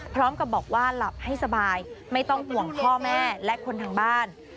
พร้อมกับบอกว่าหลับให้สบายไม่ต้องห่วงพ่อแม่และคนทางบ้าน